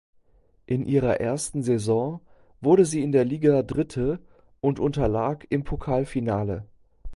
In ihrer ersten Saison wurde sie in der Liga Dritte und unterlag im Pokalfinale.